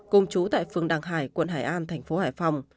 cùng chú tại phường đàng hải quận hải an thành phố hải phòng